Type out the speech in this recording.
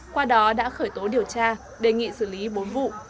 qua đó đã khởi tố điều tra đề nghị xử lý bốn vụ